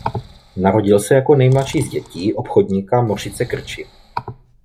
Narodil se jako nejmladší z dětí obchodníka Mořice Krči.